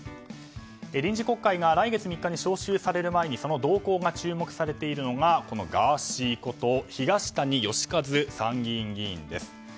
臨時国会が来月３日に召集される前にその動向が注目されているのがガーシーこと東谷義和参議院議員です。